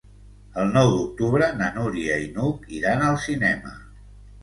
El nou d'octubre na Núria i n'Hug iran al cinema.